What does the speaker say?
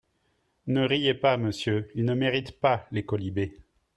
Ne riez pas, monsieur, ils ne méritent pas les quolibets.